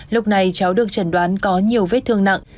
lúc này cháu được trần đoán có nhiều vết thương nặng